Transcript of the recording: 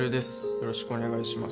よろしくお願いします